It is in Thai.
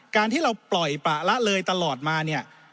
การที่เราปล่อยประละเลยตลอดมาเนี่ย